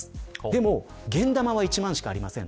でも現ナマは１万しかありません。